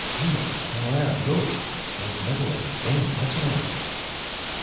"Look, Noel, look! There's Megaleep again watching us."